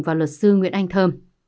và luật sư nguyễn anh thơm